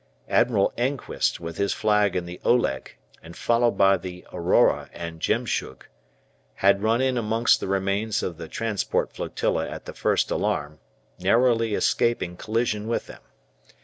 Admiral Enquist, with his flag in the "Oleg," and followed by the "Aurora" and "Jemschug," had run in amongst the remains of the transport flotilla at the first alarm, narrowly escaping collision with them.